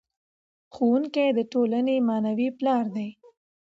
ښوونکی د ټولنې معنوي پلار دی.